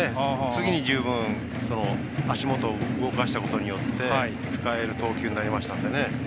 次に十分、足元を動かしたことによって使える投球になりましたのでね。